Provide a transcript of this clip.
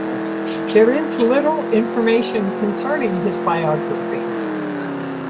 There is little information concerning his biography.